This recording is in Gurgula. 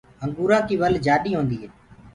انگوُرآنٚ ڪيٚ ول جآڏي هوندي هي۔